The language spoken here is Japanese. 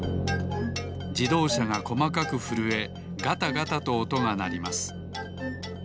じどうしゃがこまかくふるえガタガタとおとがなります